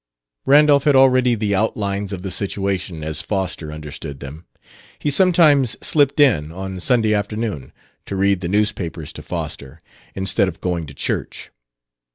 Randolph had already the outlines of the situation as Foster understood them. He sometimes slipped in, on Sunday forenoon, to read the newspapers to Foster, instead of going to church.